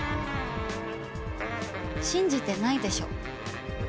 信じてないでしょ？